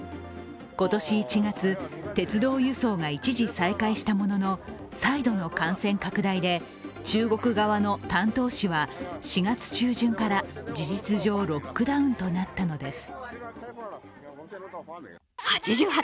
今年１月、鉄道輸送が一時再会したものの、再度の感染拡大で、中国側の丹東市は４月中旬から事実上、ロックダウンとなったのです。